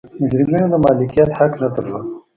مجرمینو د مالکیت حق نه درلود.